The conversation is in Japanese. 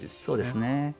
そうですね。